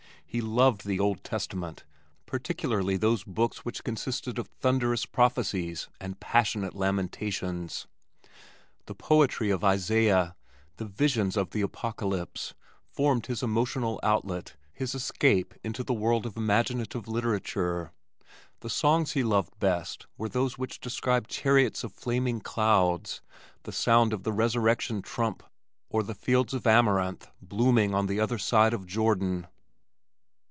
He loved the Old Testament, particularly those books which consisted of thunderous prophecies and passionate lamentations. The poetry of Isaiah, The visions of The Apocalypse, formed his emotional outlet, his escape into the world of imaginative literature. The songs he loved best were those which described chariots of flaming clouds, the sound of the resurrection trump or the fields of amaranth blooming "on the other side of Jordan."